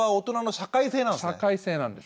社会性なんです。